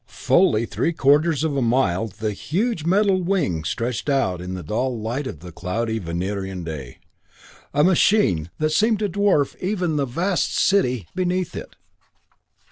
Fully three quarters of a mile the huge metal wings stretched out in the dull light of the cloudy Venerian day; a machine that seemed to dwarf even the vast city beneath it.